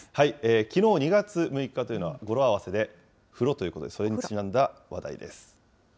きのう、２月６日というのは、語呂合わせで風呂ということで、それにちなんだ話題です。